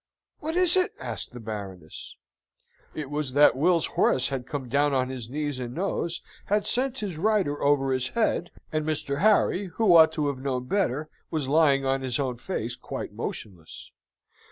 "What is it?" asked the Baroness. It was that Will's horse had come down on his knees and nose, had sent his rider over his head, and Mr. Harry, who ought to have known better, was lying on his own face quite motionless.